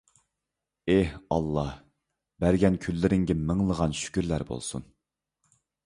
ئېھ ئاللاھ، بەرگەن كۈنلىرىڭگە مىڭلىغان شۈكۈرلەر بولسۇن!